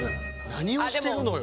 「何をしてるのよ？」